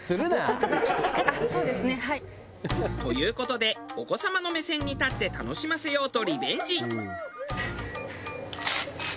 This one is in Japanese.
でも。という事でお子様の目線に立って楽しませようとリベンジ！